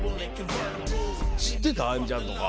知ってた？